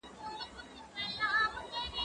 ايا ته مېوې خورې،